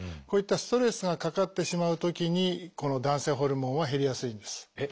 こういったストレスがかかってしまうときにこの男性ホルモンは減りやすいんです。